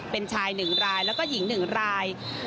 เป็นชาย๑รายแล้วก็หญิง๑ราย